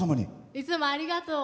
いつもありがとう。